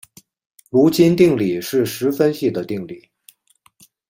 卢津定理是实分析的定理。